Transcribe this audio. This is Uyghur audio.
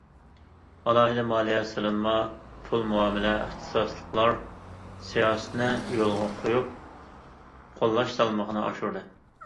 ئالاھىدە مالىيە، سېلىنما، پۇل مۇئامىلە، ئىختىساسلىقلار سىياسىتىنى يولغا قويۇپ، قوللاش سالمىقىنى ئاشۇردى.